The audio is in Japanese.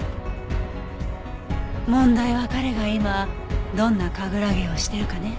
問題は彼が今どんな神楽芸をしてるかね。